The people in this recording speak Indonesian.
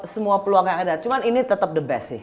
semua peluang yang ada cuma ini tetap the best sih